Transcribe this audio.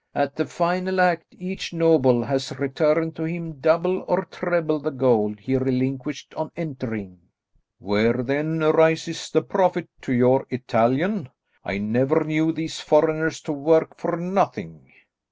At the final act each noble has returned to him double or treble the gold he relinquished on entering." "Where then arises the profit to your Italian? I never knew these foreigners to work for nothing."